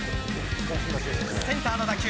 センターの打球。